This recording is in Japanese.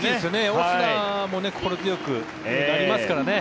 オスナも心強くなりますからね。